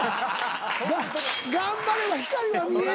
頑張れば光は見えるって。